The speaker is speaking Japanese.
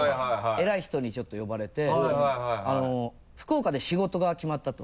偉い人にちょっと呼ばれて「福岡で仕事が決まった」と。